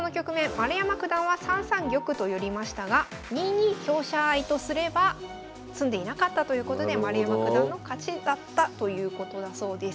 丸山九段は３三玉と寄りましたが２二香車合とすれば詰んでいなかったということで丸山九段の勝ちだったということだそうです。